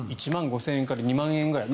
１万５０００円から２万円ぐらい。